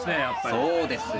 そうですね。